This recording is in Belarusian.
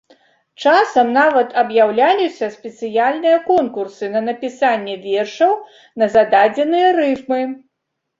Часам нават аб'яўляліся спецыяльныя конкурсы на напісанне вершаў на зададзеныя рыфмы.